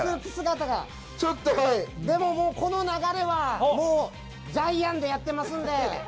でも、この流れはジャイアンでやってますので。